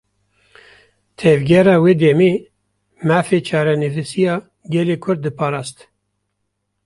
Tevgera wê demê, mafê çarenivîsiya gelê Kurd diparast